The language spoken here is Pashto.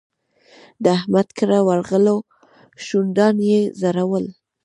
د احمد کره ورغلو؛ شونډان يې ځړول.